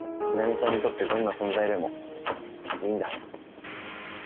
千波ちゃんにとってどんな存在でもいいんだ。